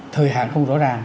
thời hạn không rõ ràng